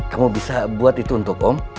kamu bisa buat itu untuk om